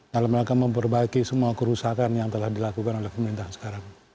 dalam langkah memperbaiki semua kerusakan yang telah dilakukan oleh pemerintah sekarang